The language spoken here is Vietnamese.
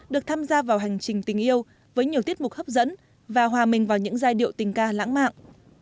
được tham gia vào hành trình tình yêu với nhiều tiết mục hấp dẫn và hòa mình vào những giai điệu tình ca lãng mạn